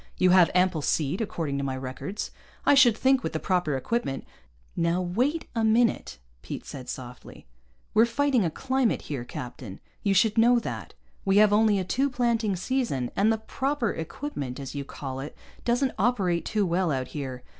You have ample seed, according to my records. I should think, with the proper equipment " "Now wait a minute," Pete said softly. "We're fighting a climate here, captain. You should know that. We have only a two planting season, and the 'proper equipment,' as you call it, doesn't operate too well out here.